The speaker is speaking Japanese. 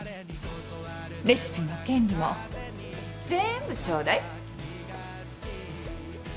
レシピも権利も全部ちょうだい。